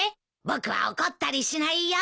僕は怒ったりしないよ。